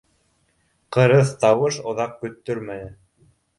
Ҡырыҫ тауыш оҙаҡ көттөрмәне: